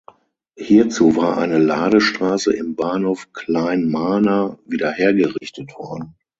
Hierzu war eine Ladestraße im Bahnhof Klein Mahner wiederhergerichtet worden.